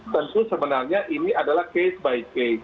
tentu sebenarnya ini adalah case by case